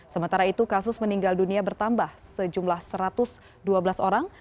sementara itu kasus meninggal dunia bertambah sejumlah satu ratus dua belas orang